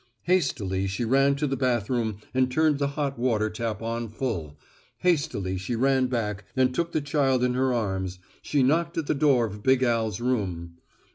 Hastily she ran to the bathroom and turned the hot water tap on full. Hastily she ran back, and took the child in her arms. She knocked at the door of big Al's room.